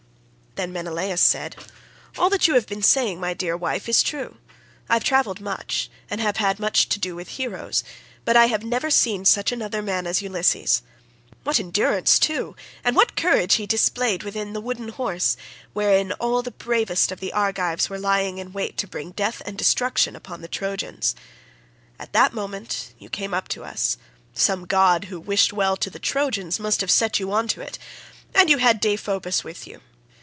Then Menelaus said, "All that you have been saying, my dear wife, is true. I have travelled much, and have had much to do with heroes, but I have never seen such another man as Ulysses. What endurance too, and what courage he displayed within the wooden horse, wherein all the bravest of the Argives were lying in wait to bring death and destruction upon the Trojans.43 At that moment you came up to us; some god who wished well to the Trojans must have set you on to it and you had Deiphobus with you.